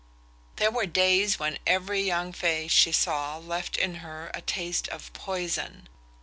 There were days when every young face she saw left in her a taste of poison.